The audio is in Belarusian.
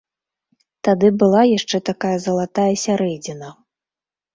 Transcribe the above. Тады была яшчэ такая залатая сярэдзіна.